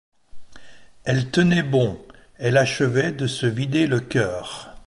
Elle tenait bon, elle achevait de se vider le cœur.